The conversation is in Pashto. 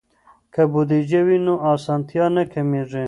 که بودیجه وي نو اسانتیا نه کمېږي.